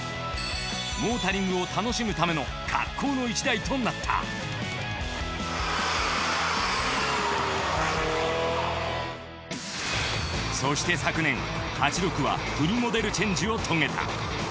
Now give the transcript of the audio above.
モータリングを楽しむための格好の１台となったそして昨年８６はフルモデルチェンジを遂げた。